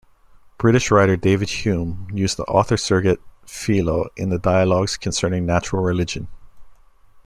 British writer David Hume used the author-surrogate 'Philo' in the "Dialogues Concerning Natural Religion".